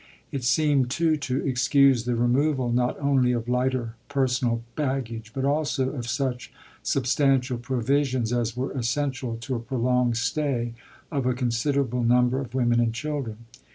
It seemed, too, to excuse the removal not only of lighter personal baggage, but also of such substantial provisions as were essential to a prolonged stay of a considerable number of women and children.